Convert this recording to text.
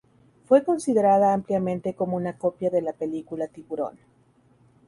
Fue considerada ampliamente como una copia de la película "Tiburón".